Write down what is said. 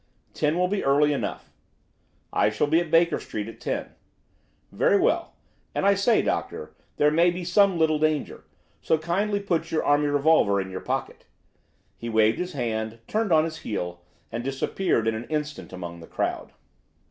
"Ten will be early enough." "I shall be at Baker Street at ten." "Very well. And, I say, Doctor, there may be some little danger, so kindly put your army revolver in your pocket." He waved his hand, turned on his heel, and disappeared in an instant among the crowd.